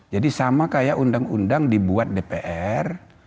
jadi sama kayak undang undang dibuat dpr